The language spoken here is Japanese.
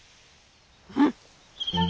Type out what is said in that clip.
うん！？